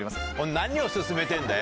何を薦めてんだよ！